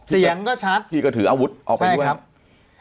เสียงก็ชัดพี่ก็ถืออาวุธออกไปด้วยครับ